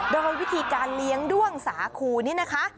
โดยวิธีการเลี้ยงด้วงสาคูนี่นะคะ